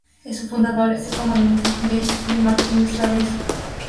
Su fundador es el Comandante D. Pío Martínez Lorenzo.